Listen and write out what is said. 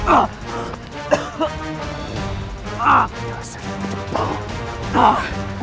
tidak ada perabu